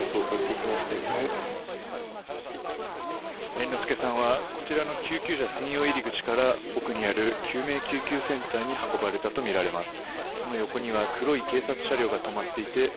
猿之助さんはこちらの救急車専用入り口から奥にある救命救急センターに運ばれたとみられます。